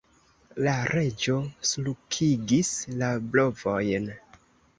La Reĝo sulkigis la brovojn.